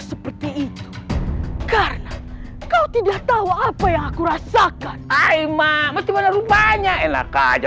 seperti itu karena kau tidak tahu apa yang aku rasakan aima masih mana rupanya enak aja